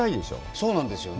そうなんですよね。